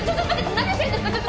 何してるんですか？